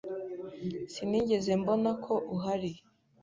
Sinigeze mbona ko uhari.